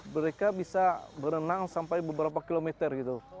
mereka bisa berenang sampai beberapa kilometer gitu